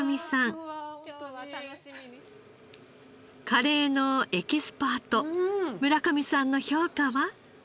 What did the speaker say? カレーのエキスパート村上さんの評価は？